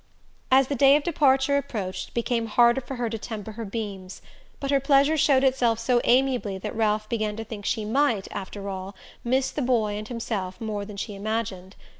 As the day of departure approached it became harder for her to temper her beams; but her pleasure showed itself so amiably that Ralph began to think she might, after all, miss the boy and himself more than she imagined.